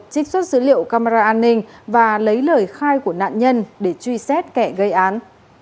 trích xuất dữ liệu camera an ninh và lấy lời khai của nạn nhân để truy xét kẻ gây án